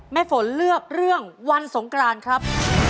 ฝนเลือกเรื่องวันสงกรานครับ